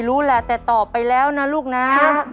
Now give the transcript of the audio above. ไม่รู้แหละแต่ตอบไปแล้วนะลูกนะครับ